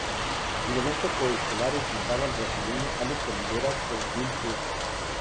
El evento co-estelar enfrentaba al brasileño Alex Oliveira con Will Brooks.